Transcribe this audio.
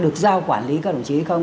được giao quản lý các đồng chí không